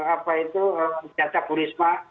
apa itu jatah risma